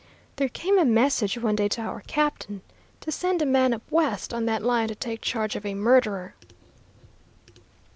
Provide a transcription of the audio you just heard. There came a message one day to our captain, to send a man up West on that line to take charge of a murderer.